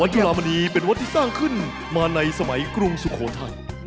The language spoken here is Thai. วัดจุรามณีเป็นวัดที่สร้างขึ้นมาในสมัยกรุงศุโฆฒร์ไทย